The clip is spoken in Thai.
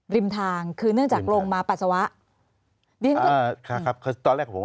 ริมทางคือเนื่องจากลงมาปัสสาวะอ่าค่ะครับคือตอนแรกผม